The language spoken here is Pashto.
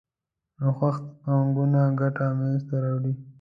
نوښت پانګونه ګټه منځ ته راوړي.